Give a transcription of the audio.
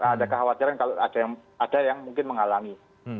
ada kekhawatiran kalau ada yang mungkin menghalangi